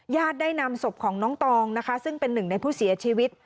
ได้นำศพของน้องตองนะคะซึ่งเป็นหนึ่งในผู้เสียชีวิต